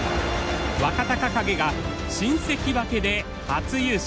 若隆景が新関脇で初優勝。